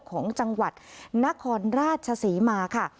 ของจังหวัดนครราชศรีมาค่ะ